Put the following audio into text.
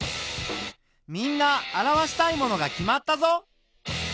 みんな表したいものが決まったぞ。